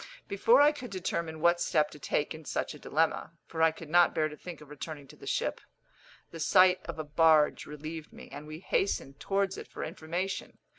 Before I could determine what step to take in such a dilemma (for I could not bear to think of returning to the ship), the sight of a barge relieved me, and we hastened towards it for information.